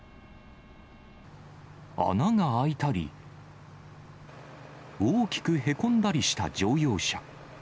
穴が開いたり、大きくへこんだりした乗用車。